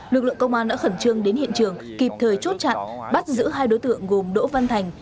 lực lượng công an đã khẩn trương đến hiện trường kịp thời chốt chặn bắt giữ hai đối tượng gồm đỗ văn thành